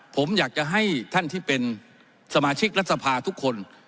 ผมอยากจะให้ท่านที่เป็นสมาชิกรัฐสภาทุกคน